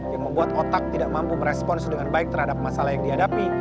yang membuat otak tidak mampu merespons dengan baik terhadap masalah yang dihadapi